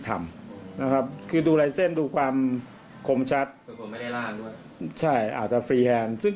ทำนะครับคือดูลายเส้นดูความคมชัดใช่อาจจะฟรีแฮนซึ่ง